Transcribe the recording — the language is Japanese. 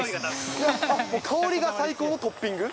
香りが最高のトッピング？